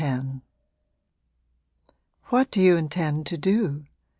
X What do you intend to do?